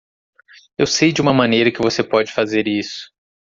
Eu sei de uma maneira que você pode fazer isso.